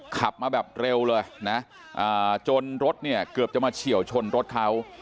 ขับมาแบบเร็วเลยนะจนรถเนี่ยเกือบจะมาเฉียวชนรถเขา